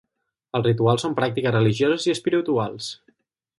Els rituals són pràctiques religioses i espirituals.